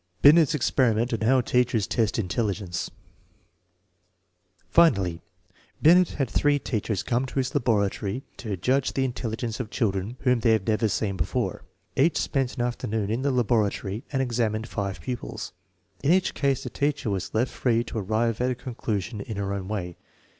Bluet's experiment on how teachers test intelligence,' Finally, Binet had three teachers come to his laboratory to judge the intelligence of children whom they had never seen before. Each spent an afternoon in the laboratory and examined five pupils. In each case the teacher was left free to arrive at a conclusion in her own way.